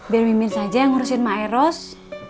biar mimin saja yang urusin maeros